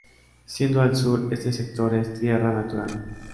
Siguiendo al sur, este sector es tierra natural.